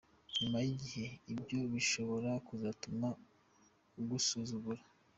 Nyuma y’igihe ibyo bishobora kuzatuma agusuzugura.